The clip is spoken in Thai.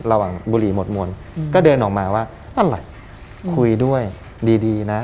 ระหว่างบุหรี่หมดมวลก็เดินออกมาว่านั่นอะไรคุยด้วยดีนะ